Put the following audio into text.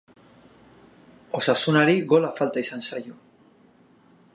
Osasunari gola falta izan zaio.